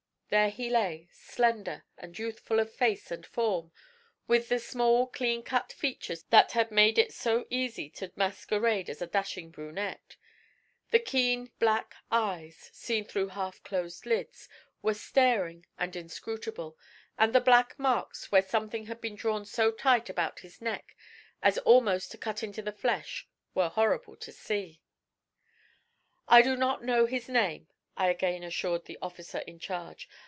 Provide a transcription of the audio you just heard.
There he lay, slender and youthful of face and form, with the small, clean cut features that had made it so easy to masquerade as a dashing brunette; the keen black eyes, seen through half closed lids, were staring and inscrutable, and the black marks where something had been drawn so tightly about his neck as almost to cut into the flesh were horrible to see. 'I do not know his name,' I again assured the officer in charge.